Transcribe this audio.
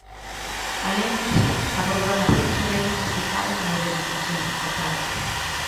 "Alén diso, a programación será identificada como redifusión", acordaron.